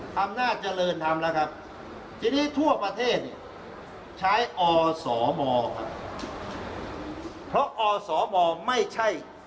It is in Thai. ทำหน้าเจริญทำละครับที่นี่ทั่วประเทศใช้อสมเพราะอสมไม่ใช่